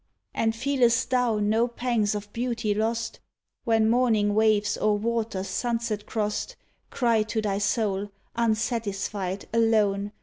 And feelest thou no pangs of beauty lost, When morning waves or waters sunset crost Cry to thy soul, unsatisfied, alone.